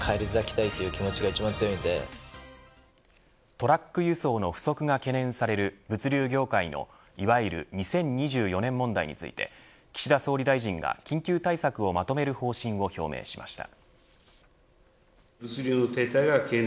トラック輸送の不足が懸念される物流業界のいわゆる２０２４年問題について岸田総理大臣が緊急対策をまとめる方針を表明しました。